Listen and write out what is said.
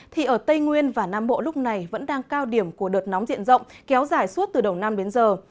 thì ở tây nguyên và nam bộ lúc này vẫn đang cao điểm của đợt nóng diện rộng kéo dài suốt từ đầu năm đến giờ